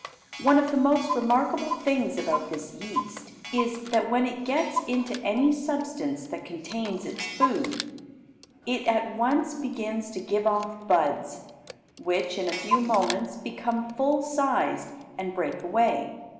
One of the most remarkable things about this yeast is, that when it gets into any substance that contains its food, it at once begins to give off buds, which, in a few moments, become full sized and break away.